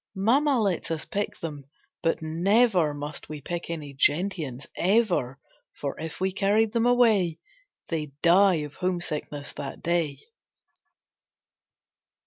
Mamma lets us pick them, but never Must we pick any gentians ever! For if we carried them away They'd die of homesickness that day.